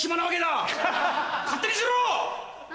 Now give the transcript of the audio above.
勝手にしろ！